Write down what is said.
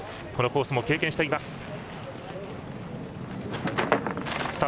このコースも経験しています。